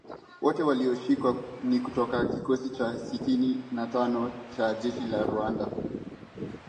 Wote walioshikwa ni kutoka kikosi cha Sitini na tano cha jeshi la Rwanda